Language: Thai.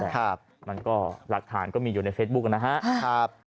ครับมันก็หลักฐานก็มีอยู่ในเฟซบุ๊คนะครับ